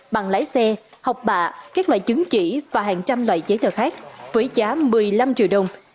bằng lái xe học bạ các loại chứng chỉ và hàng trăm loại giấy tờ khác với giá một mươi năm triệu đồng